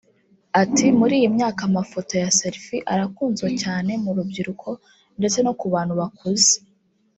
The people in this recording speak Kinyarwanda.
Ati’’ Muri iyi myaka amafoto ya selfie arakunzwe cyane mu rubyiruko ndetse no ku bantu bakuze